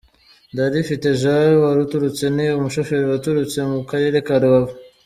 Ndarifite Jean waturutse ni umushoferi waturutse mu Karere ka Rubavu.